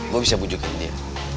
gue bisa pujukin dia